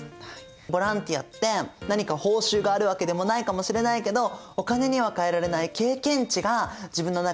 ボランティアって何か報酬があるわけでもないかもしれないけどお金には代えられない経験値が自分の中で育める。